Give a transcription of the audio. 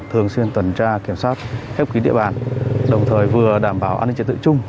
thường xuyên tuần tra kiểm soát khép kín địa bàn đồng thời vừa đảm bảo an ninh trật tự chung